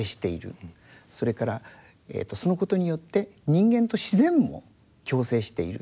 それからそのことによって人間と自然も共生している。